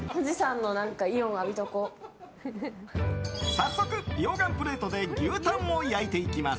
早速、溶岩プレートで牛タンを焼いていきます。